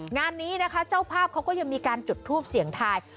งานนี้นะคะเจ้าภาพเขาก็ยังมีการจุดทูปเสียงทาย